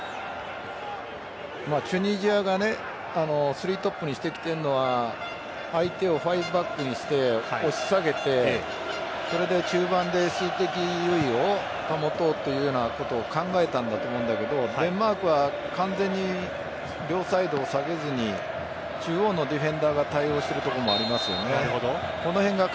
チュニジアが３トップにしてきているのは相手を５バックにして押し下げて中盤で数的優位を保とうというようなことを考えたんだと思うんだけどデンマークは完全に両サイドを下げずに中央のディフェンダーが対応しているところもありますよね。